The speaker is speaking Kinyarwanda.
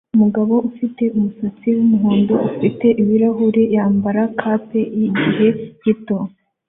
Umugabo ufite umusatsi wumuhondo ufite ibirahuri yambara cape yigihe gito